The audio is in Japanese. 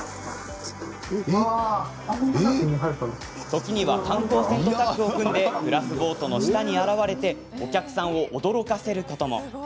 時には、観光船とタッグを組んでグラスボートの下に現れてお客さんを驚かせることも。